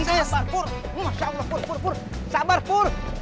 masya allah pur